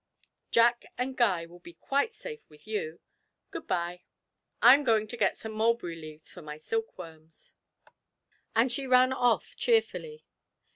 Jack and Guy will be quite safe with you. Good bye; I'm going to get some mulberry leaves for my silkworms.' And she ran off cheerfully.